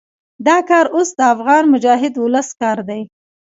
دا کار اوس د افغان مجاهد ولس کار دی.